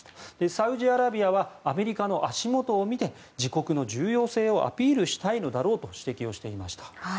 サウジアラビアはアメリカの足元を見て自国の重要性をアピールしたいのだろうと指摘をしていました。